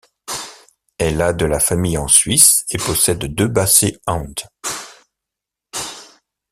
Elle a de la famille en Suisse et possède deux bassets hound.